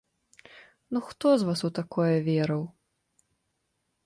Ну хто з вас у такое верыў?